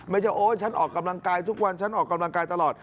โอ๊ยฉันออกกำลังกายทุกวันฉันออกกำลังกายตลอด